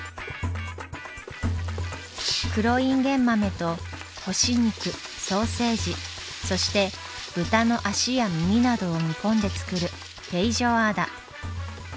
黒インゲン豆と干し肉ソーセージそして豚の足や耳などを煮込んで作るフェイジョアーダ。